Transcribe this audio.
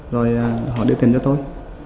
rồi họ đưa tiền cho tôi